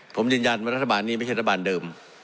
ผมยืนยันว่ารัฐบาลนี้ไม่ใช่รัฐบาลเดิม